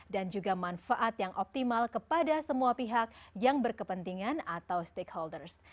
dan juga manfaat yang optimal kepada semua pihak yang berkepentingan atau stakeholders